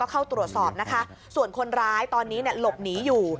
เข้าตรวจสอบนะคะส่วนคนร้ายตอนนี้หลบหนีอยู่